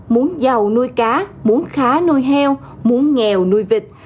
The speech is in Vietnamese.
muốn giàu nuôi cá muốn khá nuôi heo muốn nghèo nuôi vịt